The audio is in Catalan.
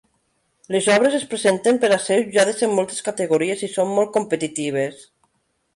Las obres es presenten per a ser jutjades en moltes categories i són molt competitives.